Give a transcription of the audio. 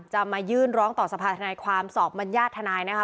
จะมายื่นร้องต่อสภาธนาความสอบมัญญาตฐนายนะคะ